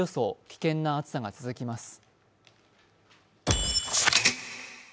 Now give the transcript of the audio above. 危険な暑さが続きます。